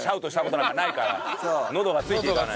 のどがついていかない。